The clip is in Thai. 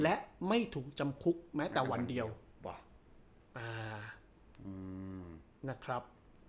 และไม่ถูกจำคุกแม้แต่วันเดียวว่ะนะครับ